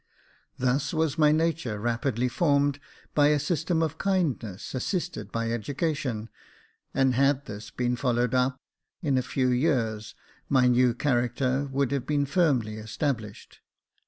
Thus was my nature rapidly formed by a system of kindness assisted by education ; and had this been followed up, in a few years my new character would have been firmly established.